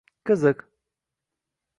Qiziq.